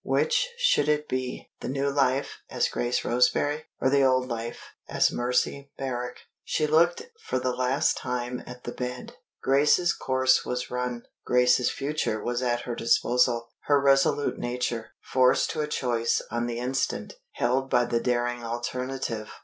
Which should it be the new life, as Grace Roseberry? or the old life, as Mercy Merrick? She looked for the last time at the bed. Grace's course was run; Grace's future was at her disposal. Her resolute nature, forced to a choice on the instant, held by the daring alternative.